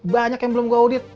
banyak yang belum audit